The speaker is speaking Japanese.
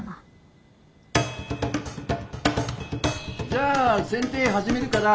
じゃあ剪定始めるから。